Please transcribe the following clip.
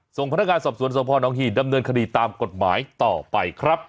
ส่งพนักงานสอบสวนสพนหีบดำเนินคดีตามกฎหมายต่อไปครับ